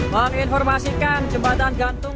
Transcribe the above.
menginformasikan jembatan gantung